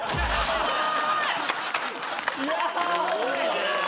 すごいね。